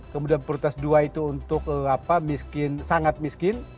kemudian puritas dua itu untuk sangat miskin